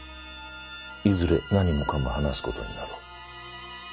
いずれ何もかも話す事になろう。